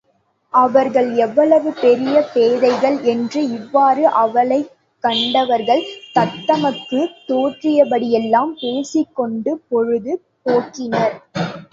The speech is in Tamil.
அவர்கள் எவ்வளவு பெரிய பேதைகள்! என்று இவ்வாறு அவளைக் கண்டவர்கள் தத்தமக்குத் தோன்றியபடியெல்லாம் பேசிக் கொண்டு பொழுது போக்கினர்.